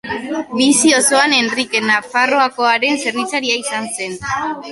Bizi osoan Henrike Nafarroakoaren zerbitzaria izan zen.